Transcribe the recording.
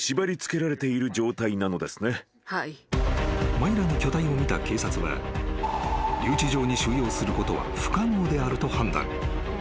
［マイラの巨体を見た警察は留置場に収容することは不可能であると判断］